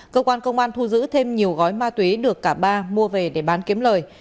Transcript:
cơ quan công an thu giữ thêm nhiều gói ma túy được cả ba mua về để bán kiếm lời